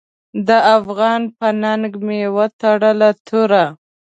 د افغان په ننګ مې وتړله توره .